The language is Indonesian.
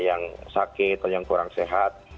yang sakit atau yang kurang sehat